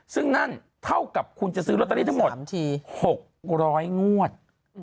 ซึ่งนั่นเท่ากับคุณจะซื้อลอตเตอรี่ทั้งหมด๖๐๐งวด